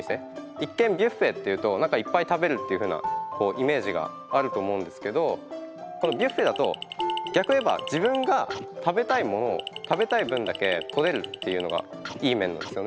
一見ビュッフェっていうと何かいっぱい食べるっていうふうなイメージがあると思うんですけどビュッフェだと逆を言えば自分が食べたいものを食べたい分だけ取れるっていうのがいい面なんですよね。